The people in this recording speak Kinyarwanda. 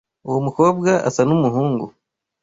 Uwo mukobwa asa numuhungu.